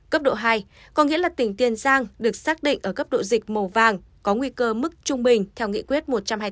cấp độ hai có nghĩa là tỉnh tiền giang được xác định ở cấp độ dịch màu vàng có nguy cơ mức trung bình theo nghị quyết một trăm hai mươi bốn